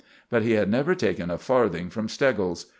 But he had never taken a farthing from Steggles.